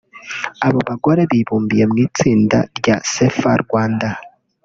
Abo bagore bibumbiye mu itsinda rya Safer Rwanda